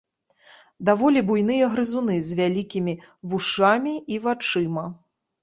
Даволі буйныя грызуны з вялікімі вушамі і вачыма.